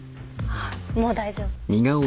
もう大丈夫。